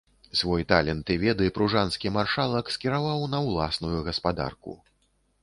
Свой талент і веды пружанскі маршалак скіраваў на ўласную гаспадарку.